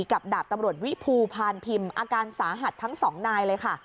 ดาบตำรวจวิภูพานพิมพ์อาการสาหัสทั้งสองนายเลยค่ะ